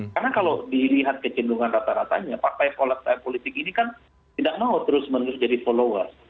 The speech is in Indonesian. karena kalau dilihat kecenderungan rata ratanya partai partai politik ini kan tidak mau terus menerus jadi followers